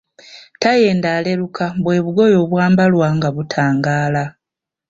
Tayenda aleluka bwe bugoye obwambalwa nga butangaala.